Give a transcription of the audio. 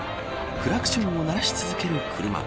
クラクションを鳴らし続ける車。